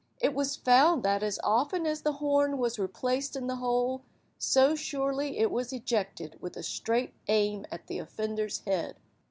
It was found that as often as the horn was replaced in the hole, so surely it was ejected with a straight aim at the offender's head.